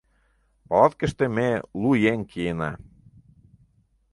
Палаткыште ме лу еҥ киена.